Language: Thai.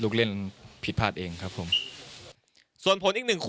แต่ว่าผิดพลาดจุดเล็กช่วงหลัง